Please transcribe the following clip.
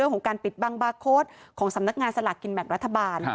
ของการปิดบังบาร์โค้ดของสำนักงานสลากกินแบ่งรัฐบาล